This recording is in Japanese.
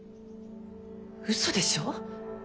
嘘でしょ。